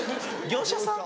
業者さん？